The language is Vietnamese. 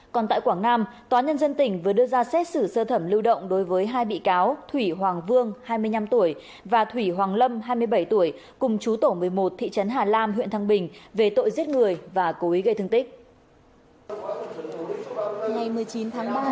còn tại quảng nam tòa nhân dân tỉnh vừa đưa ra xét xử sơ thẩm lưu động đối với hai bị cáo thủy hoàng vương hai mươi năm tuổi và thủy hoàng lâm hai mươi bảy tuổi cùng chú tổ một mươi một thị trấn hà lam huyện thăng bình về tội giết người và cố ý gây thương tích